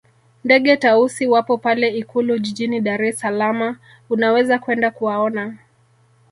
Ndege Tausi wapo pale ikulu jijini dar es salama unaweza kwenda kuwaona